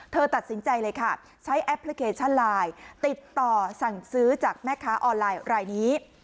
เธอตัดสินใจเลยค่ะใช้แอปพลิเคชันไลน์ติดต่อสั่งซื้อจากแม่ค้าออนไลน์รายนี้